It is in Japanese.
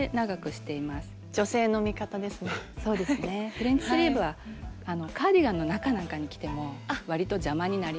フレンチスリーブはカーディガンの中なんかに着てもわりと邪魔になりにくいので。